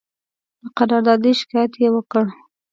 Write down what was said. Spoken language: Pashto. د قراردادي شکایت یې وکړ.